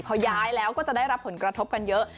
พอย้ายแล้วก็จะได้รับผลกระทบกันเยอะ